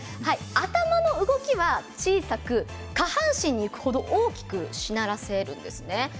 頭の動きは小さく下半身にいくほど大きくしならせるんですね。